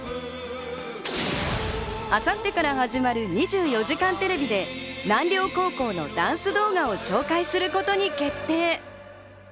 明後日から始まる『２４時間テレビ』で南稜高校のダンス動画を紹介することに決定。